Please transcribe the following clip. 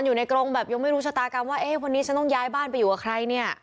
กรงแบบยังไม่รู้ชะตากรรมว่าเอ๊ะวันนี้ฉันต้องย้ายบ้านไปอยู่กับใครเนี่ย